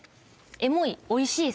エモいおいしい